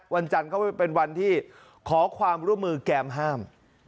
วันจันทร์ก็เป็นวันที่ขอความร่วมมือแกมห้าม